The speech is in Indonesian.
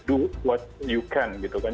do what you can gitu kan